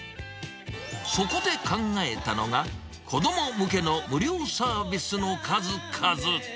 そこで考えたのが、子ども向けの無料サービスの数々。